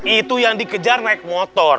itu yang dikejar naik motor